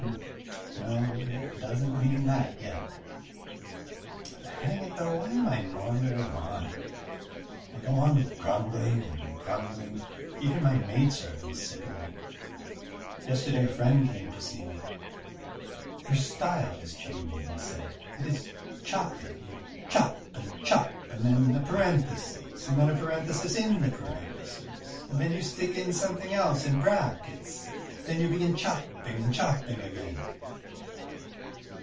No, it doesn't mean that yet. Hang it though, why am I maundering on? I go on grumbling and grumbling. Even my maidservant is sick of me. Yesterday a friend came to see me. "Your style is changing," he said; "it is choppy: you chop and chop and then a parenthesis, then a parenthesis in the parenthesis, then you stick in something else in brackets, then you begin chopping and chopping again."